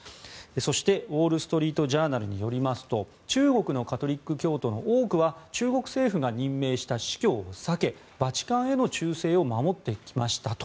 そして、ウォール・ストリート・ジャーナルによりますと中国のカトリック教徒の多くは中国政府が任命した司教を避けバチカンへの忠誠を守ってきましたと。